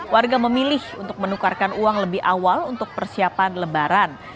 warga memilih untuk menukarkan uang lebih awal untuk persiapan lebaran